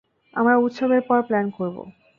আমরা উৎসবের পর প্ল্যান করব।